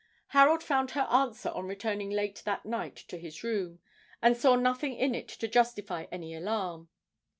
Harold found her answer on returning late that night to his room, and saw nothing in it to justify any alarm.